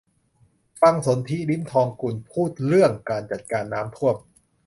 ฟังสนธิ ลิ้มทองกุล พูดเรื่องการจัดการน้ำท่วม